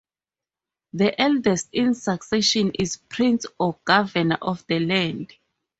The eldest in succession is Prince or Governor of the Island.